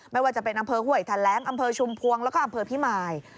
ไม่ว่าจะเป็นอำเภอห้วยแถลงอำเภอชุมพวงแล้วก็อำเภอพิมาย